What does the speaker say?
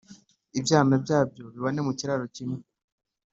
ibyana byabyo bibane mu kiraro kimwe,